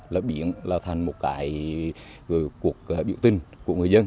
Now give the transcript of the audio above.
là biển là thành một cuộc biểu tình của người dân